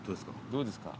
どうですか？